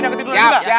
jangan tidur juga